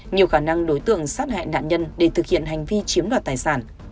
nhiều khả năng đối tượng sát hại nạn nhân để thực hiện hành vi chiếm đoạt tài sản